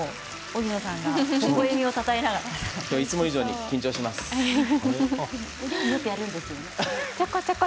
今日はいつも以上に緊張します。